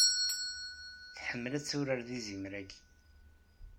Tḥemmel ad turar d yizimer-ayi.